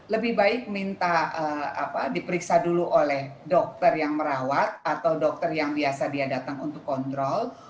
lebih baik minta diperiksa dulu oleh dokter yang merawat atau dokter yang biasa dia datang untuk kontrol